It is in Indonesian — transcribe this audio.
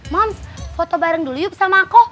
moms foto bareng dulu yuk sama aku